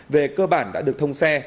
về cơ bản đã được thông xe